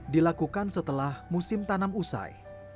dilakukan setelah musim tanam usai